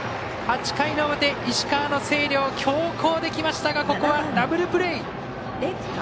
８回の表、石川の星稜強攻できましたがここはダブルプレー。